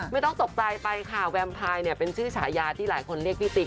ไม่ต้องตกใจไปค่ะแวมพายเนี่ยเป็นชื่อฉายาที่หลายคนเรียกพี่ติ๊ก